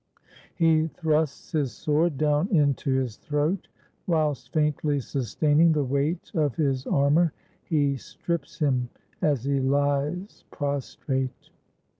He thrusts his sword down into his throat, whilst faintly sustaining the weight of his armor; he strips him as he hes prostrate.